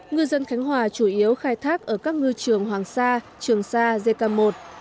ngư dân khánh hòa chủ yếu khai thác ở các ngư trường hoàng sa trường sa dê cà một